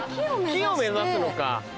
「き」を目指すのか！